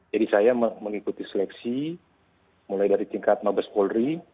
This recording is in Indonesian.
jadi saya mengikuti seleksi mulai dari tingkat nobles polri